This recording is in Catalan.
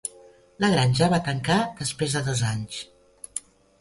La granja va tancar després de dos anys.